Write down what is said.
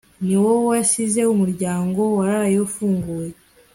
Niwowe wasize umuryango waraye ufunguye